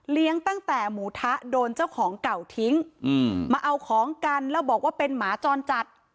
ตั้งแต่หมูทะโดนเจ้าของเก่าทิ้งมาเอาของกันแล้วบอกว่าเป็นหมาจรจัด